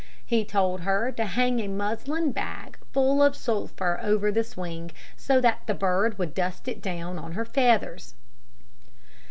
He told her to hang a muslin bag full of sulphur over the swing, so that the bird would dust it down on her feathers.